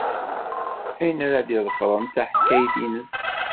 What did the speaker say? Ayen ara d-iḍefren d taḥkayt-nnes.